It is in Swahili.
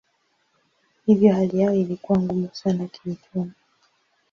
Hivyo hali yao ilikuwa ngumu sana kiuchumi.